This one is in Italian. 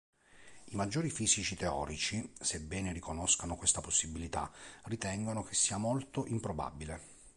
I maggiori fisici teorici, sebbene riconoscano questa possibilità, ritengono che sia molto improbabile.